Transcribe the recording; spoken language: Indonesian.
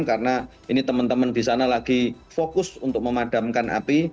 karena ini teman teman di sana lagi fokus untuk memadamkan api